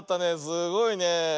すごいねえ。